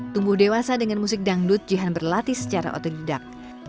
tumbuh dewasa dengan musik dangdut jihan berlatih secara otodidak